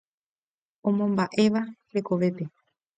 Omomba'éva hekovépe.